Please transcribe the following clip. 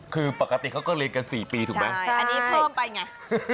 คือปกติเขาก็เรียนกัน๔ปีถูกไหมใช่อันนี้เพิ่มไปไง